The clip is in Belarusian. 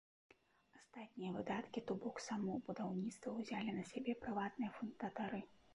Астатнія выдаткі, то бок само будаўніцтва, узялі на сябе прыватныя фундатары.